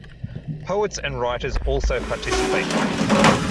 Poets and writers also participated.